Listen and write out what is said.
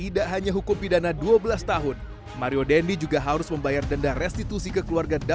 tidak hanya hukum pidana dua belas tahun mario dendi juga harus membayar denda restitusi kekeluargaan